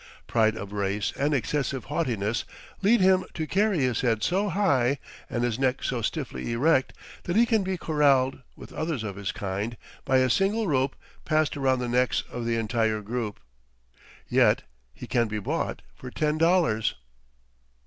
Pride of race and excessive haughtiness lead him to carry his head so high and his neck so stiffly erect that he can be corralled, with others of his kind, by a single rope passed around the necks of the entire group. Yet he can be bought for ten dollars.